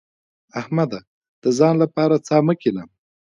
احمده! د ځان لپاره څا مه کينه.